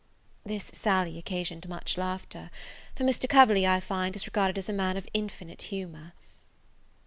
This sally occasioned much laughter; for Mr. Coverley, I find, is regarded as a man of infinite humour.